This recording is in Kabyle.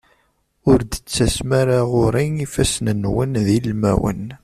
Ur d-tettasem ara ɣur-i ifassen-nwen d ilmawen.